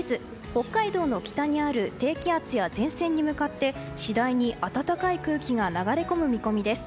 北海道の北にある低気圧や前線に向かって次第に暖かい空気が流れ込む見込みです。